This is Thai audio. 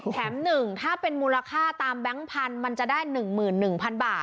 ๑ถ้าเป็นมูลค่าตามแบงค์พันธุ์มันจะได้๑๑๐๐๐บาท